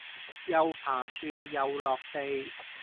又爬樹又落地